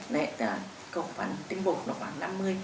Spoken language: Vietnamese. đấy tức là cầu phần tinh bụng khoảng năm mươi năm mươi năm